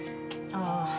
ああ。